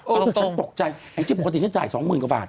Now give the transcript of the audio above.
โอ้ฉันตกใจไอ้จิ๊บปกติฉันจ่าย๒หมื่นกว่าบาท